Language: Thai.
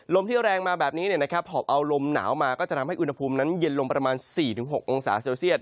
ลมที่แรงมาแบบนี้หอบเอาลมหนาวมาก็จะทำให้อุณหภูมินั้นเย็นลงประมาณ๔๖องศาเซลเซียต